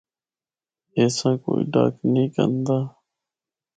اس آں کوئ ڈک نینھ کندا۔